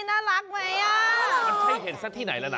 น่ารักมั้ยอ่านให้เห็นซักทุนที่ไหน